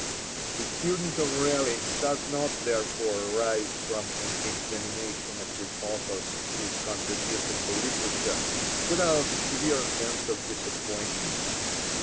The student of Raleigh does not, therefore, rise from an examination of his author's chief contribution to literature without a severe sense of disappointment.